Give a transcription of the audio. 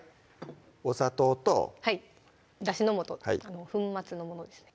お砂糖とだしの素粉末のものですね